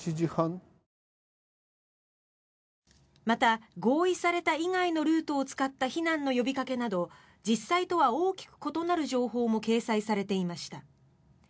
また合意された以外のルートを使った避難の呼びかけなど実際とは大きく異なる情報も掲載されていました。